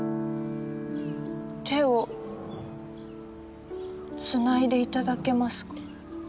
手をつないで頂けますか？